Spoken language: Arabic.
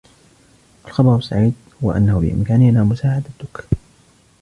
الخبر السعيد هو أنه بإمكاننا مساعدتك.